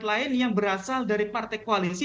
lain yang berasal dari partai koalisi